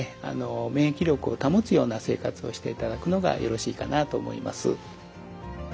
免疫力を保つような生活をしていただくのがよろしいかなと思います。